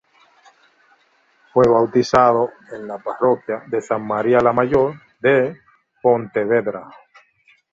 Fue bautizado en la parroquia de Santa María la Mayor de Pontevedra.